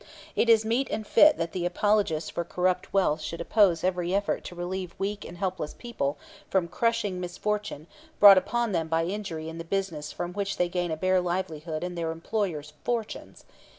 It is meet and fit that the apologists for corrupt wealth should oppose every effort to relieve weak and helpless people from crushing misfortune brought upon them by injury in the business from which they gain a bare livelihood and their employers fortunes.